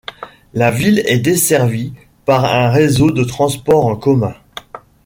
La ville est desservie par un réseau de transport en commun.